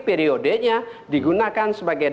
periodenya digunakan sebagai